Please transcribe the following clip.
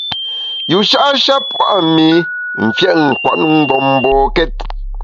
Yusha’ sha pua’ mi mfiét nkwet mgbom mbokét.